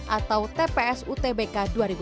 atau tps utbk dua ribu dua puluh